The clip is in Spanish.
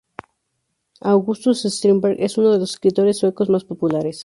August Strindberg es uno de los escritores suecos más populares.